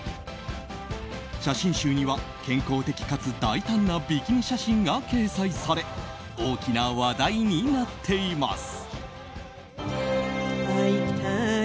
写真集には健康的かつ大胆なビキニ写真が掲載され大きな話題になっています。